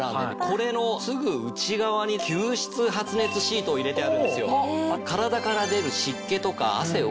これのすぐ内側に吸湿発熱シートを入れてあるんですよ。